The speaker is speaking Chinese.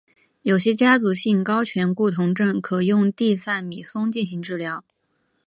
有些家族性高醛固酮症可用地塞米松进行治疗。